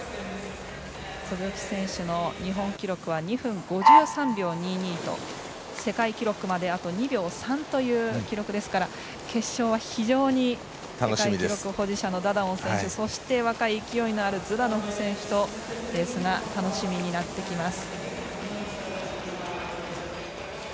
鈴木選手の日本記録は２分５３秒２２と世界記録まであと２秒３という記録ですから決勝は非常に世界記録保持者のダダオン選手そして若い勢いのあるズダノフ選手とレースが楽しみになってきます。